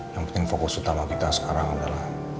yang penting fokus utama kita sekarang adalah